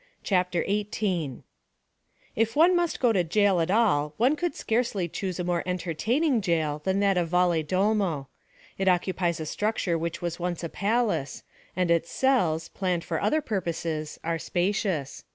CHAPTER XVIII If one must go to jail at all one could scarcely choose a more entertaining jail than that of Valedolmo. It occupies a structure which was once a palace; and its cells, planned for other purposes, are spacious.